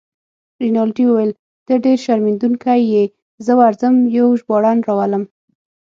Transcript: رینالډي وویل: ته ډیر شرمېدونکی يې، زه ورځم یو ژباړن راولم.